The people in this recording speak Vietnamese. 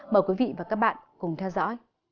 mời quý vị và các bạn cùng theo dõi